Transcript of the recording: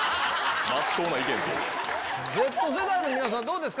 Ｚ世代の皆さん、どうですか？